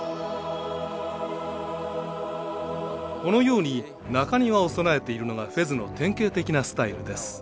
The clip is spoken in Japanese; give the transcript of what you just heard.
このように中庭を備えているのがフェズの典型的なスタイルです。